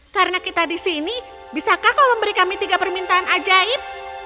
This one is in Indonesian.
karena kita di sini bisakah kau memberi kami tiga permintaan ajaib